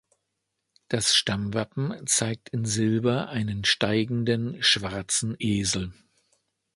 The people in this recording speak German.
Das Stammwappen zeigt in Silber einen steigenden, schwarzen Esel.